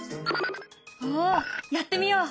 おやってみよう！